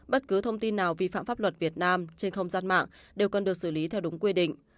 bất cứ thông tin nào vi phạm pháp luật việt nam trên không gian mạng đều cần được xử lý theo đúng quy định